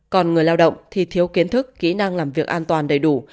còn người lao động thì thiếu kiến thức kỹ năng làm việc an toàn đầy đủ